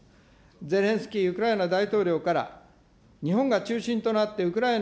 ゼレンスキーウクライナ大統領から日本が中心となってウクライナ